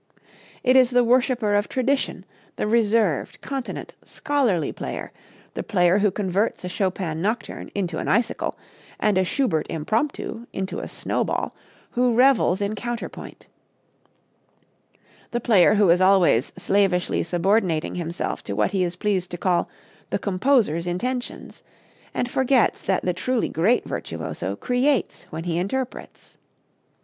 It is the worshiper of tradition, the reserved, continent, scholarly player, the player who converts a Chopin nocturne into an icicle and a Schubert impromptu into a snowball, who revels in counterpoint the player who always is slavishly subordinating himself to what he is pleased to call the "composer's intentions" and forgets that the truly great virtuoso creates when he interprets.